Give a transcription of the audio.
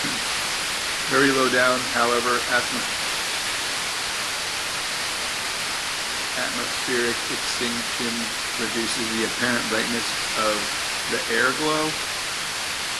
Very low down, however, atmospheric extinction reduces the apparent brightness of the airglow.